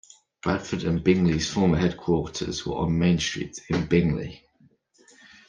Bradford and Bingley's former headquarters were on Main Street in Bingley.